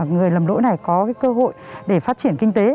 người lầm lỗi này có cơ hội để phát triển kinh tế